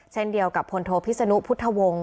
เช่นเดียวกับพลโทพิศนุพุทธวงศ์